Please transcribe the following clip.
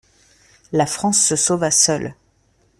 La France se sauva seule.